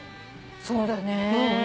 そうだね。